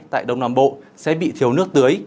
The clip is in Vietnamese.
tại đông nam bộ sẽ bị thiếu nước tưới